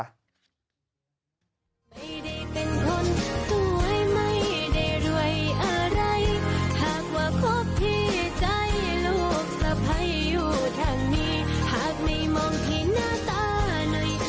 ให้อยู่ทางนี้หากไม่มองให้หน้าตาหน่อย